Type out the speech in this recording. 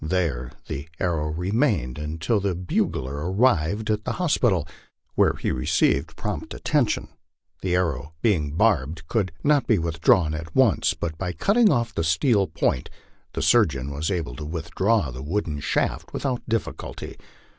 There the arrow remained until the bugler arrived at the hospital, when he received prompt attention. The arrow being barbed could not be withdrawn at once, but by cutting off the steel point the surgeon was able to withdraw the wooden shaft without difficulty.